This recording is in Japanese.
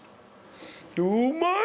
うまい！